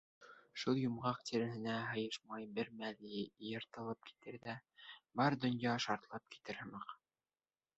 Шул йомғаҡ тиреһенә һыйышмай бер мәл йыртылып китер ҙә, бар донъя шартлап китер һымаҡ.